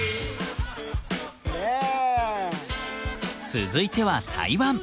続いては台湾！